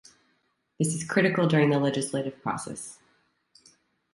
This is critical during the legislative process.